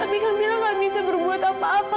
tapi kamila gak bisa berbuat apa apa